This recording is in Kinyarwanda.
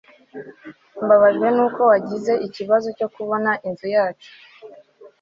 Mbabajwe nuko wagize ikibazo cyo kubona inzu yacu